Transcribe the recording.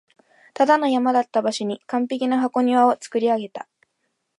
ただの山だった場所に完璧な箱庭を造り上げた